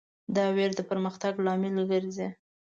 دا وېره د پرمختګ لامل ګرځي.